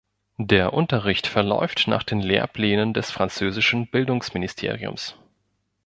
Der Unterricht verläuft nach den Lehrplänen des französischen Bildungsministeriums.